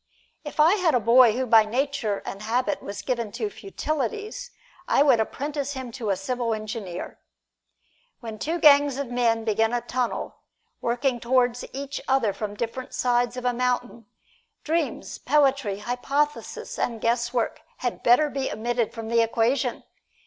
If I had a boy who by nature and habit was given to futilities, I would apprentice him to a civil engineer. When two gangs of men begin a tunnel, working toward each other from different sides of a mountain, dreams, poetry, hypothesis and guesswork had better be omitted from the equation.